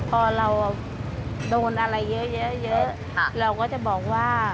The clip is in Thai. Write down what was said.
พอเราโดนอะไรเยอะเราก็จะบอกว่า